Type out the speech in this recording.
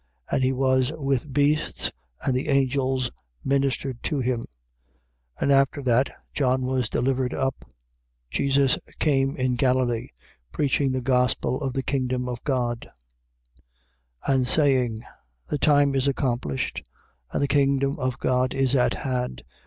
And he was with beasts: and the angels ministered to him. 1:14. And after that John was delivered up, Jesus came in Galilee, preaching the gospel of the kingdom of God, 1:15. And saying: The time is accomplished and the kingdom of God is at hand.